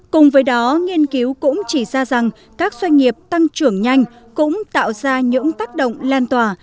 cùng với đó nghiên cứu cũng chỉ ra rằng các doanh nghiệp tăng trưởng nhanh cũng tạo ra những tác động lan tỏa